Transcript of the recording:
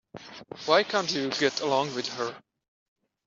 Why can't you get along with her?